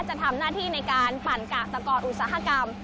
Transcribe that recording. จะทำหน้าที่ในการปั่นกากตะกรอุตสาหกรรม